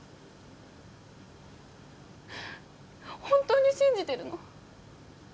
本当に信じてるの？